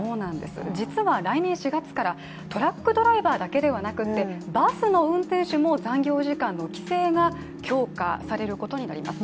実は来年４月からトラックドライバーだけでなくてバスの運転手も残業時間の規制が強化されることになります。